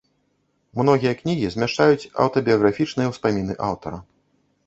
Многія кнігі змяшчаюць аўтабіяграфічныя ўспаміны аўтара.